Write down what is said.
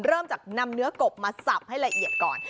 เริ่มจากนำเนื้อกบมาสับให้ละเอียดก่อน